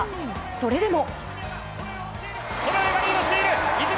それでも。